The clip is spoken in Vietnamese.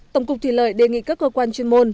tổng cục thủy lợi đề nghị các cơ quan chuyên môn